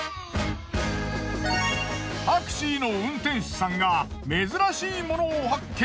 タクシーの運転手さんが珍しい物を発見！